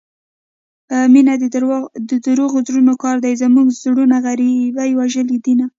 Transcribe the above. مينه دروغو زړونو كار دى زموږه زړونه غريبۍ وژلي دينه